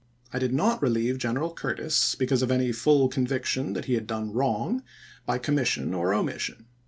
I did not 1863. relieve General Ciu'tis because of any full convic tion that he had done wrong by commission or omission.